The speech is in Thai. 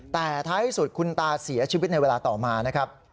แต่ท้ายที่สุดคุณตาเสียชีวิตในเวลาต่อมานะครับ